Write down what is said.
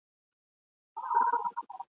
ګړندي مي دي ګامونه، زه سرلارې د کاروان یم !.